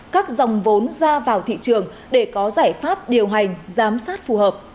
các dòng vốn ra vào thị trường để có giải pháp điều hành giám sát phù hợp